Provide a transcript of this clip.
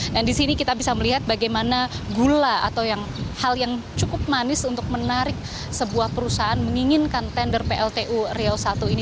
dan disini kita bisa melihat bagaimana gula atau hal yang cukup manis untuk menarik sebuah perusahaan menginginkan tender pltu riau satu ini